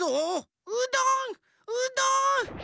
うどんうどん！